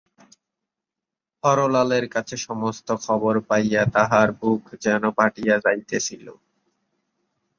হরলালের কাছে সমস্ত খবর পাইয়া তাঁহার বুক যেন ফাটিয়া যাইতেছিল।